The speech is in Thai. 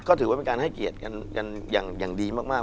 ก็ถือว่าเป็นการให้เกียรติกันอย่างดีมาก